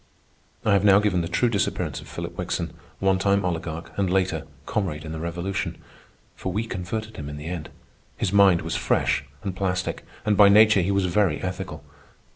I have now given the true disappearance of Philip Wickson, one time oligarch, and, later, comrade in the Revolution. For we converted him in the end. His mind was fresh and plastic, and by nature he was very ethical.